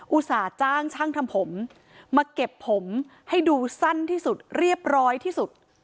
อุตส่าห์จ้างช่างทำผมมาเก็บผมให้ดูสั้นที่สุดเรียบร้อยที่สุด